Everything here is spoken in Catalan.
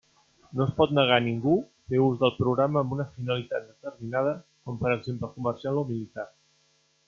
No es pot negar a ningú fer ús del programa amb una finalitat determinada, com per exemple comercial o militar.